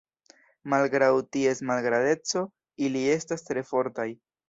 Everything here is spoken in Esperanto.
Malgraŭ ties malgrandeco, ili estas tre fortaj.